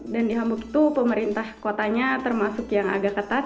dan di hamburg itu pemerintah kotanya termasuk yang agak ketat